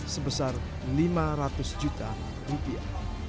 sebesar lima ratus juta rupiah